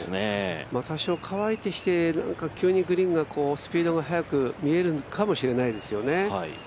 多少、乾いてきてグリーンが急にスピードが速く見えるのかもしれないですね。